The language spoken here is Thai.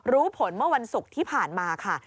รู้ผลเมื่อวันศุกร์ที่ผ่านมาค่ะ